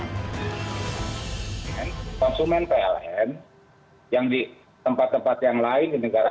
konsumen pln yang di tempat tempat yang lain